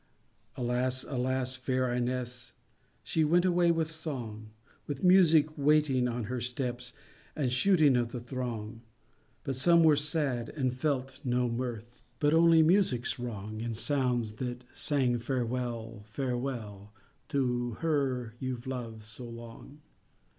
Alas, alas, fair Ines, She went away with song, With music waiting on her steps, And shootings of the throng; But some were sad and felt no mirth, But only Music's wrong, In sounds that sang Farewell, Farewell, To her you've loved so long.